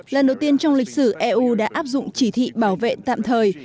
lần đầu tiên trong lịch sử eu đã áp dụng chỉ thị bảo vệ tạm thời